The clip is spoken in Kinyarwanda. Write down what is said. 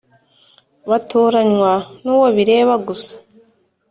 batoranywa n uwo bireba gusa